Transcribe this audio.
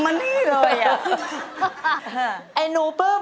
อยากจะได้แอบอิ่ง